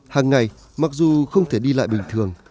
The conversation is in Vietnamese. hàng ngày mặc dù không thể đi lại bình thường